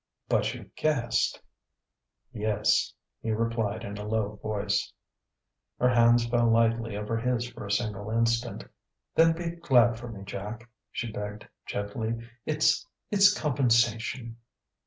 "But you've guessed?" "Yes," he replied in a low voice. Her hand fell lightly over his for a single instant. "Then be glad for me, Jack," she begged gently. "It's it's compensation."